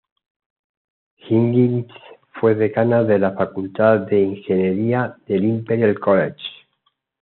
Higgins fue decana de la Facultad de Ingeniería del Imperial College.